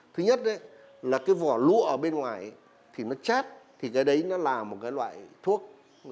thứ nhất là cái vỏ lụa ở bên ngoài thì nó chết thì cái đấy nó là một cái loại thuốc